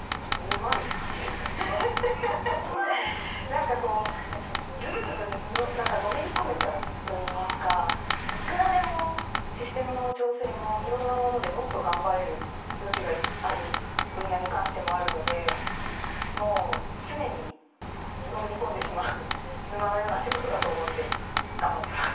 なんかこうズブズブなんかのめり込めちゃうと言いますかいくらでもシステムの調整も色んなものでもっと頑張れる余地がある分野に関してもあるのでもう常にのめり込んでしまう「沼」のような仕事だと思って頑張ってます。